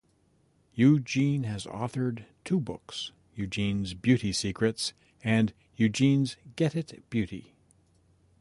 Eugene has authored two books: "Eugene's Beauty Secrets" and "Eugene's Get It Beauty".